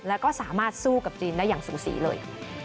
แล้วก็สามารถสู้กับจีนได้อย่างสูสีเลย